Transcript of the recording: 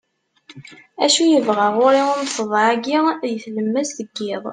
acu yebɣa ɣur-i umseḍḍeɛ-agi deg tlemmast n yiḍ